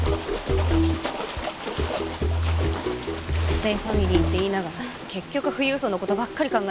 ステイファミリーって言いながら結局富裕層の事ばっかり考えてる。